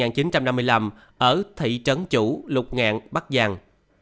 bảy ông n d d sinh năm một nghìn chín trăm năm mươi năm ở thị trấn chủ lục ngạn bắc giang